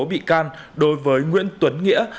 bị can đối với nguyễn tuấn nghĩa